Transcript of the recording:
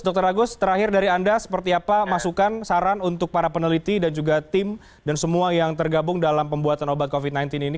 dr agus terakhir dari anda seperti apa masukan saran untuk para peneliti dan juga tim dan semua yang tergabung dalam pembuatan obat covid sembilan belas ini